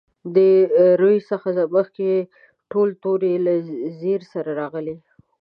د روي څخه مخکې ټول توري له زېر سره راغلي.